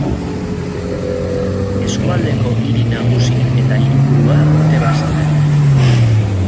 Eskualdeko hiri nagusi eta hiriburua Tebas zen.